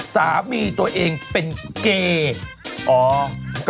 สามีตัวเองเป็นเกย์